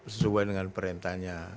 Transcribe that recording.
sesuai dengan perintahnya